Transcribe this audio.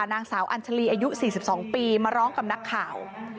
นางสาวอัญชาลีอายุ๔๒ปีมาร้องกับนักข่าว